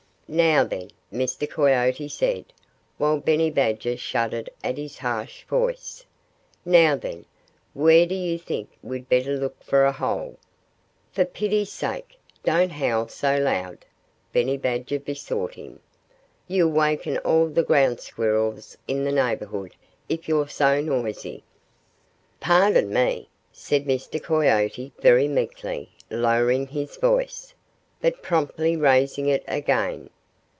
"Now, then," Mr. Coyote said, while Benny Badger shuddered at his harsh voice, "now then, where do you think we'd better look for a hole?" "For pity's sake, don't howl so loud!" Benny Badger besought him. "You'll waken all the Ground Squirrels in the neighborhood if you're so noisy." "Pardon me!" said Mr. Coyote very meekly, lowering his voice, but promptly raising it again.